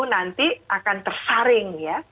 nanti akan tersaring ya